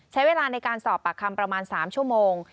ใช้เวลาในการสอบปากคำประมาณ๓ชั่วโมง